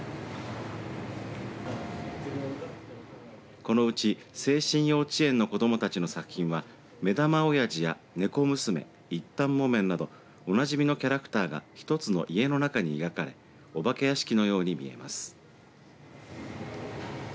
このうち聖心幼稚園の子どもたちの作品は目玉おやじや、ねこ娘一反もめんなどおなじみのキャラクターが１つの家の中に描かれお化け屋敷のように見えます。